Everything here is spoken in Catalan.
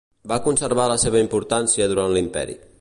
Va conservar la seva importància durant l'imperi.